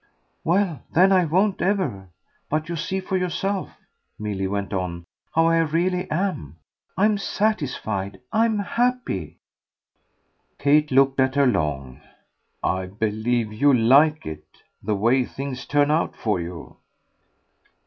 "Well then I won't ever. But you see for yourself," Milly went on, "how I really am. I'm satisfied. I'm happy." Kate looked at her long. "I believe you like it. The way things turn out for you